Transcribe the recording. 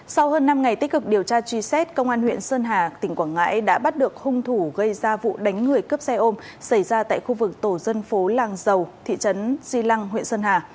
sau hơn năm ngày tích cực điều tra truy xét công an huyện sơn hà tỉnh quảng ngãi đã bắt được hung thủ gây ra vụ đánh người cướp xe ôm xảy ra tại khu vực tổ dân phố làng dầu thị trấn di lăng huyện sơn hà